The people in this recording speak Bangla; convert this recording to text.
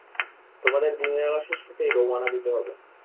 তোমাদের দিনের আলো শেষ হতেই রওয়ানা দিতে হবে।